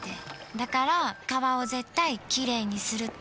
だから川を絶対きれいにするって。